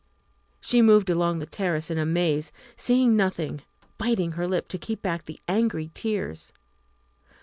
She moved along the terrace in a maze, seeing nothing, biting her lip to keep back the angry tears.